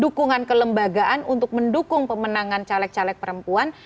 dukungan kelembagaan untuk mendukung pemenangan caleg caleg perempuan